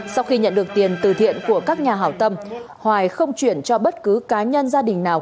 sau khi nhận được tiền từ thiện của các nhà hảo tâm hoài không chuyển cho bất cứ cá nhân gia đình nào